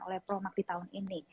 oleh promak di tahun ini